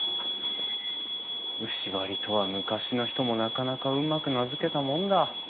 牛梁とは昔の人もなかなかうまく名付けたもんだ。